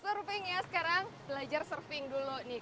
surfing ya sekarang belajar surfing dulu nih